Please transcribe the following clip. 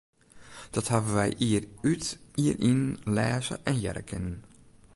Dat hawwe wy jier út, jier yn lêze en hearre kinnen.